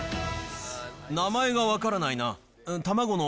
名前が分からないな。